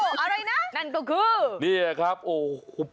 โอ้โฮอะไรนะนั่นก็คือนี่ครับโอ้โฮ